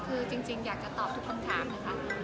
คือจริงอยากจะตอบทุกคำถามนะคะ